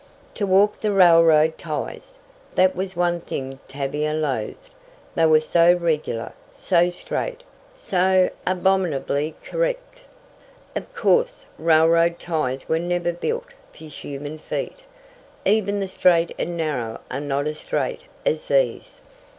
To walk the railroad ties! That was one thing Tavia loathed they were so regular, so straight, so abominably correct. "Of course railroad ties were never built for human feet, even the straight and narrow are not as straight as these."